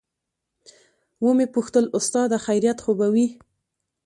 ومې پوښتل استاده خيريت خو به وي.